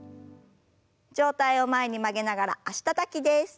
上体を前に曲げながら脚たたきです。